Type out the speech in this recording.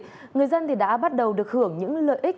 vì vậy người dân thì đã bắt đầu được hưởng những lợi ích